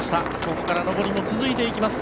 ここから上りも続いていきます。